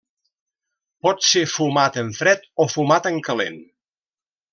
Pot ser fumat en fred o fumat en calent.